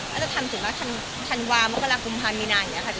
จะทำเป็นทางวาเมื่อซังครุมพามีนาลอย่างนี้ค่ะ